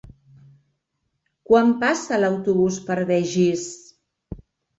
Quan passa l'autobús per Begís?